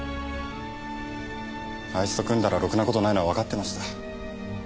あいつと組んだらろくな事ないのはわかってました。